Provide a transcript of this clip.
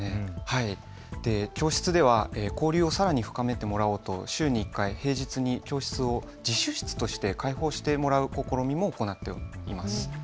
教室では交流をさらに深めてもらおうと週に１回、平日に教室を自習室として開放してもらう試みも行っています。